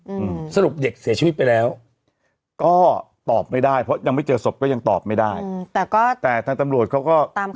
อืมสรุปเด็กเสียชีวิตไปแล้วก็ตอบไม่ได้เพราะยังไม่เจอศพก็ยังตอบไม่ได้อืมแต่ก็แต่ทางตำรวจเขาก็ตาม